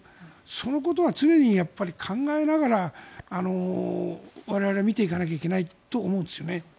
そのことは常に考えながら我々は見ていかないといけないと思うんですね。